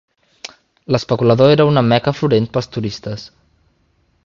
L"especulador era una "Mecca florent" pels turistes.